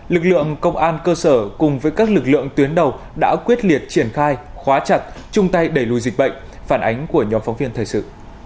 lực lượng công an cơ sở cùng với các lực lượng tuyến đầu đã quyết liệt triển khai khóa chặt chung tay đẩy lùi dịch bệnh phản ánh của nhóm phóng viên thời sự